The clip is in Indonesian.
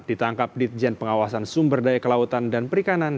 ditangkap ditjen pengawasan sumber daya kelautan dan perikanan